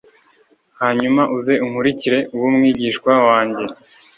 Hanyuma uze unkurikire ube umwigishwa wanjye